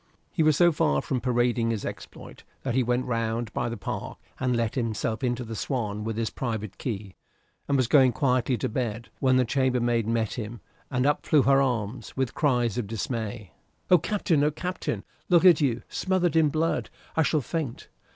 He was so far from parading his exploit that he went round by the park and let himself into the "Swan" with his private key, and was going quietly to bed, when the chambermaid met him, and up flew her arms, with cries of dismay. "Oh, Captain! Captain! Look at you smothered in blood! I shall faint."